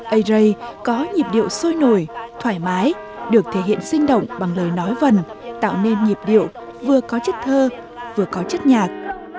ây rây có nhịp điệu sôi nổi thoải mái được thể hiện sinh động bằng lời nói vần tạo nên nhịp điệu vừa có chất thơ vừa có chất nhạc